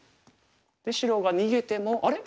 白が逃げてもあれ？